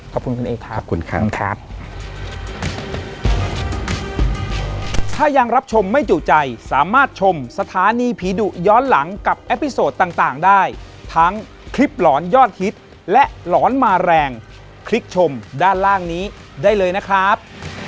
ขอบคุณคุณเอกทรัพย์ขอบคุณครับขอบคุณครับขอบคุณครับ